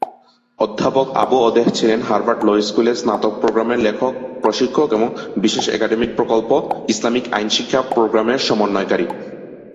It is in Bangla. অধ্যাপক আবু-অদেহ ছিলেন হার্ভার্ড ল স্কুলে স্নাতক প্রোগ্রামের লেখক, প্রশিক্ষক এবং বিশেষ একাডেমিক প্রকল্প, ইসলামিক আইন শিক্ষা প্রোগ্রামের সমন্বয়কারী।